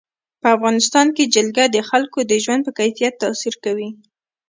په افغانستان کې جلګه د خلکو د ژوند په کیفیت تاثیر کوي.